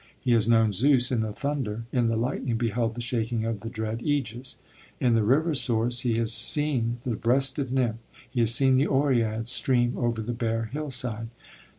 He has known Zeus in the thunder, in the lightning beheld the shaking of the dread Ægis. In the river source he has seen the breasted nymph; he has seen the Oreads stream over the bare hillside.